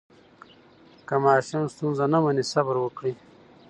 که ماشوم ستونزه نه مني، صبر وکړئ.